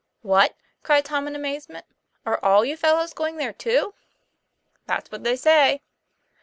'What!" cried Tom in amazement, "are all you fellows going there too?" "That's what they say."